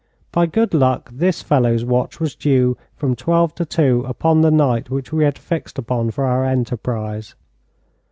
By good luck, this fellow's watch was due from twelve to two upon the night which we had fixed upon for our enterprise.